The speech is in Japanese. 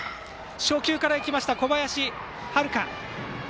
初球から行きました小林隼翔。